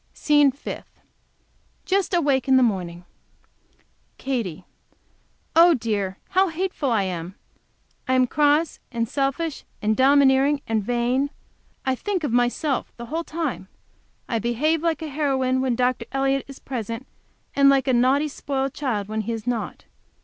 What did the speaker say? SCENE FIFTH Just awake in the morning. Katy. Oh, dear! how hateful I am! I am cross and selfish, and domineering, and vain. I think of myself the whole time; I behave like a heroine when Dr. Elliott is present, and like a naughty, spoiled child when he is not.